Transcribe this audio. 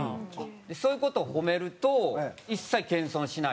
そういう事を褒めると一切謙遜しないですし。